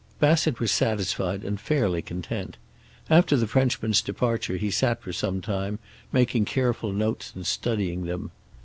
Bassett was satisfied and fairly content. After the Frenchman's departure he sat for some time, making careful notes and studying them.